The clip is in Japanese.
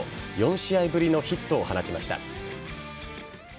４試合ぶりのヒットを放ちました。